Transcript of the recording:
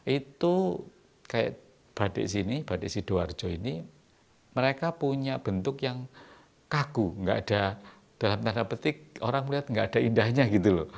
itu kayak badik sini batik sidoarjo ini mereka punya bentuk yang kagu nggak ada dalam tanda petik orang melihat nggak ada indahnya gitu loh